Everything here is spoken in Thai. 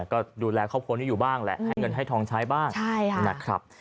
ก็ดูแลครอบครัวนี้อยู่บ้างแหละให้เงินให้ทองใช้บ้างนะครับ